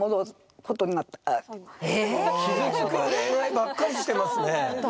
傷つく恋愛ばっかりしてますね。